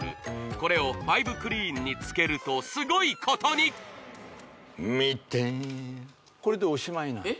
これをファイブクリーンにつけるとすごいことに見てこれでおしまいなのえっ？